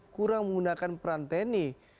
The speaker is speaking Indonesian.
kurang menggunakan peran tni